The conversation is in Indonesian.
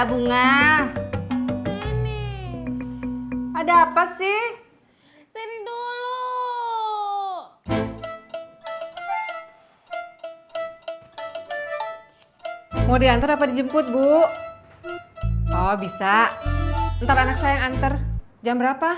sampai jumpa di video selanjutnya